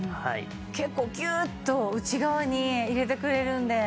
結構ギューッと内側に入れてくれるので。